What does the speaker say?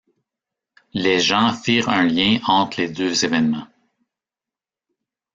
Les gens firent un lien entre les deux événements.